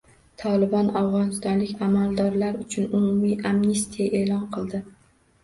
“Tolibon” afg‘onistonlik amaldorlar uchun umumiy amnistiya e’lon qildi